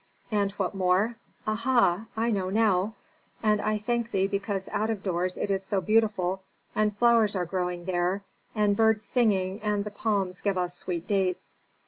And what more? Aha, I know now! And I thank thee because out of doors it is so beautiful, and flowers are growing there, and birds singing and the palms give us sweet dates.